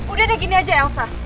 udah deh gini aja elsa